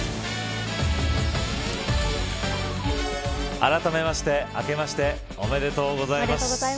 あらためましてあけましておめでとうございます。